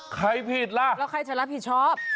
ใครผิดล่ะแล้วใครจะรับผิดชอบ